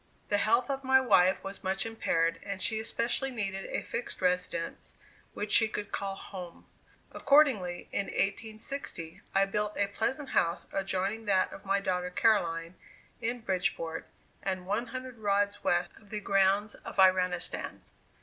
The health of my wife was much impaired, and she especially needed a fixed residence which she could call "home." Accordingly, in 1860, I built a pleasant house adjoining that of my daughter Caroline, in Bridgeport, and one hundred rods west of the grounds of Iranistan.